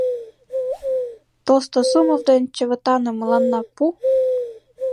Толстосумов ден Чывытаным мыланна пу!